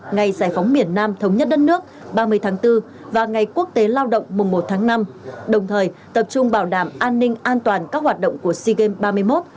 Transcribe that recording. ngày giải phóng miền nam thống nhất đất nước ba mươi tháng bốn và ngày quốc tế lao động mùng một tháng năm đồng thời tập trung bảo đảm an ninh an toàn các hoạt động của sea games ba mươi một